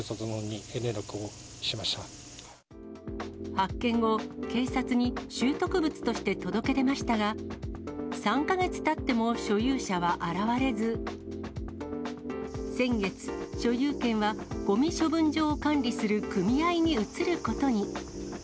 発見後、警察に拾得物として届け出ましたが、３か月経っても所有者は現れず、所有権はゴミ処分場を管理する組合に移ることに。